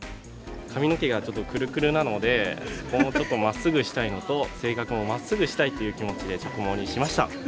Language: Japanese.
髪の毛がちょっとくるくるなのでもうちょっとまっすぐしたいのと性格もまっすぐしたいという気持ちで「直毛」にしました。